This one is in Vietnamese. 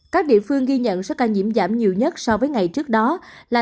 các địa phương ghi nhận số ca nhiễm giảm nhiều nhất so với ngày trước đó là